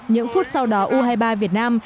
những phút sau đó u hai mươi ba việt nam